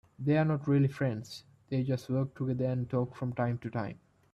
They are not really friends, they just work together and talk from time to time.